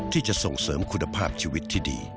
ที่จะส่งเสริมคุณภาพชีวิตที่ดี